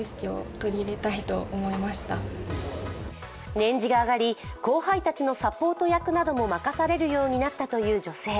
年次が上がり、後輩たちのサポート役なども任されるようになったという女性。